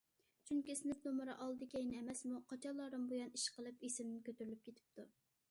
چۈنكى سىنىپ نومۇرى ئالدى- كەينى ئەمەسمۇ... قاچانلاردىن بۇيان، ئىشقىلىپ ئېسىمدىن كۆتۈرۈلۈپ كېتىپتۇ.